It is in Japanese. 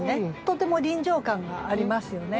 とても臨場感がありますよね。